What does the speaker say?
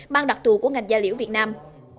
ban đặc thù của ngành gia liễu việt nam